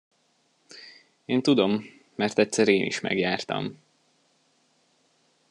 Én tudom, mert egyszer én is megjártam.